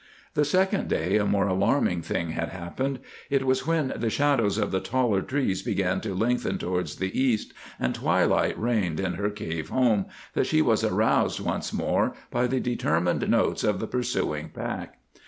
The second day a more alarming thing had happened. It was when the shadows of the taller trees began to lengthen towards the east, and twilight reigned in her cave home, that she was roused once more by the determined notes of the pursuing pack.